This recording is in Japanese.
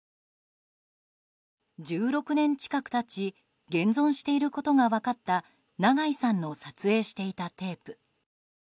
１６年近く経ち現存していることが分かった長井さんの撮影していたテープ。